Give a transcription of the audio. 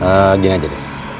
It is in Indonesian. saya gini aja deh